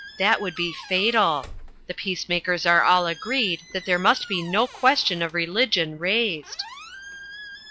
That would be fatal. We peacemakers are all agreed that there must be no question of religion raised."